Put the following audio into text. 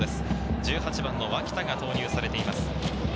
１８番の脇田が投入されています。